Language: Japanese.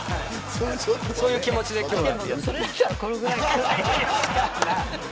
そういう気持ちで今日は。